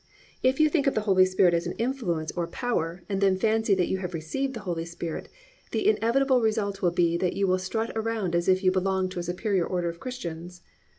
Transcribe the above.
If you think of the Holy Spirit as an influence or power and then fancy that you have received the Holy Spirit, the inevitable result will be that you will strut around as if you belonged to a superior order of Christians.